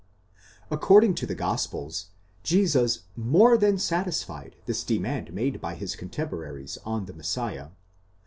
According to the gospels, Jesus more than satisfied this demand made by his cotemporaries on the Messiah.